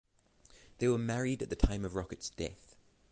They were married at the time of Rocket's death.